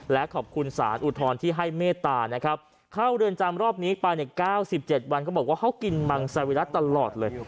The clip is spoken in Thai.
และขอบคุณสารอุทธรณ์ที่ให้เมตตานะครับเข้าเรือนจำรอบนี้ไปใน๙๗วันเขาบอกว่าเขากินมังสวิรัติตลอดเลย